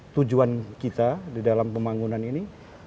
tujuan kita di dalam pembangunan ini